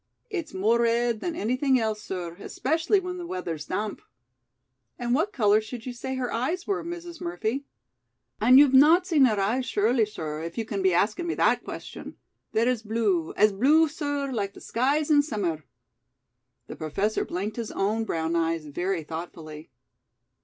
"It's more red than anything else, sir, especially when the weather's damp." "And what color should you say her eyes were, Mrs. Murphy?" "An' you've not seen her eyes, surely, sir, if you can be askin' me that question. They're as blue as blue, sir, like the skies in summer." The Professor blinked his own brown eyes very thoughtfully.